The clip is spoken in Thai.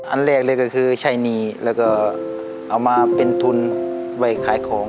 อันแรกเลยก็คือใช้หนี้แล้วก็เอามาเป็นทุนไว้ขายของ